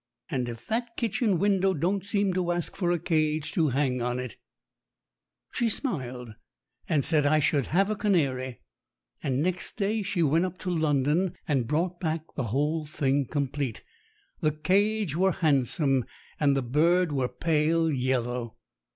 And if that kitchen window don't seem to ask for a cage to hang on it !" She smiled and said I should have a canary, and next day she went up to London and brought back the whole thing complete. The cage were handsome, and the bird were pale yellow.